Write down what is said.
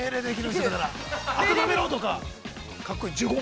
温めろとか。